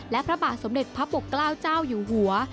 และพระบาทสมเด็จพระปกเกล้าเจ้าอยู่หัว